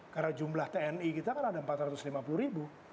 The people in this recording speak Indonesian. karena jumlah tni kita kan ada empat ratus lima puluh ribu